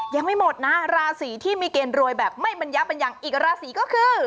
ยังไม่หมดนะราศีที่มีเกณฑ์รวยแบบไม่บรรยะเป็นอย่างอีกราศีก็คือ